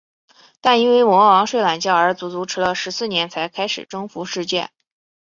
但因为魔王睡懒觉而足足迟了十四年才开始征服世界。